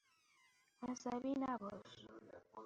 عصبی نباش.